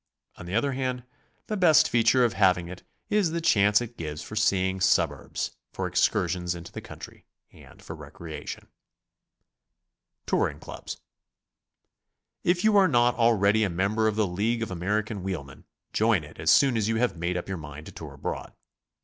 On the other hand, the best feature of having it is the chance it gives for seeing suburbs, for excursions into the country and for recreation. TOURING CLUBS. If you are not already ^ member of the League of American Wheelmen, join it as soon as you have made up your mind to tour abroad.